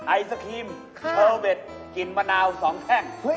ไอศครีมเชอร์เบ็ดกลิ่นมะนาว๒แท่ง